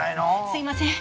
すいません。